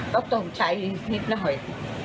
ก็ตกใจนิดหน่อย